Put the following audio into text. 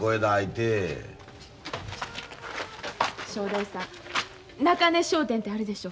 正太夫さん中根商店てあるでしょ。